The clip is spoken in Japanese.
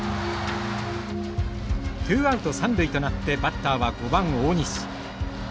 ツーアウト三塁となってバッターは５番大西。